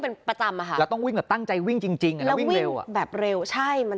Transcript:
เป็นประจำแล้วต้องวิ่งตั้งใจวิ่งจริงแล้วแบบเร็วใช่มัน